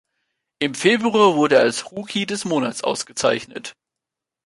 Im Februar wurde er als Rookie des Monats ausgezeichnet.